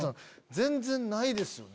全然ないですよね？